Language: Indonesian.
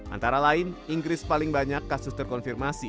antara lain inggris paling banyak kasus terkonfirmasi